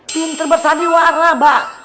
pinter bersandiwara bah